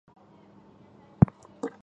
有时又单指冲绳岛名护市以北的地域。